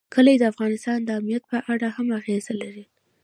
کلي د افغانستان د امنیت په اړه هم اغېز لري.